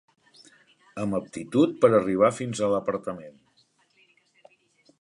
Amb aptitud per arribar fins a l'apartament.